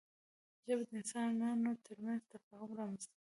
ژبه د انسانانو ترمنځ تفاهم رامنځته کوي